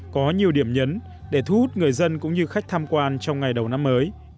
có nhiều điểm nhấn để thu hút người dân cũng như khách tham quan trong ngày đầu năm mới